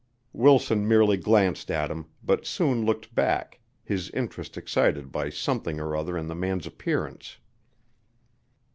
Wilson merely glanced at him, but soon looked back, his interest excited by something or other in the man's appearance.